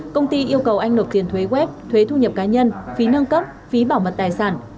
công ty yêu cầu anh nộp tiền thuế thu nhập cá nhân phí nâng cấp phí bảo mật tài sản